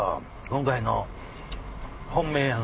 今回の本命や。